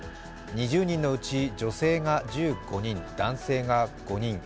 ２０人のうち女性が１５人、男性が５人。